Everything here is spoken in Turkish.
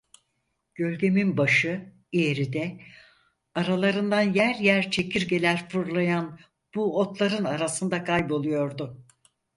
Gölgemin başı, ileride, aralarından yer yer çekirgeler fırlayan bu otların arasında kayboluyordu.